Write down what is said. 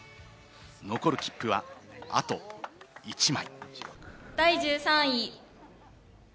残る切符は、あと１枚。